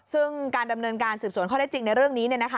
ซึ่งการดำเนินการสืบสวนข้อได้จริงในเรื่องนี้